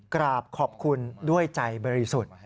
กราบขอบคุณด้วยใจบริสุทธิ์